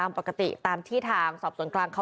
พตรพูดถึงเรื่องนี้ยังไงลองฟังกันหน่อยค่ะ